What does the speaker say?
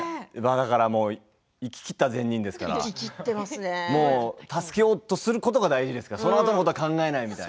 いききった善人ですから助けようとすることが大事ですからそのあとのことは考えない。